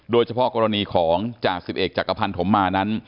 โดยเฉพาะกรณีของจ่าสิบเอกจักรพันธมมานั้น